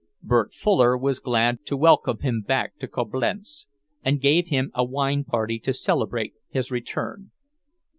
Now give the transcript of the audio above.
Bert Fuller was glad to welcome him back to Coblentz, and gave a "wine party" to celebrate his return.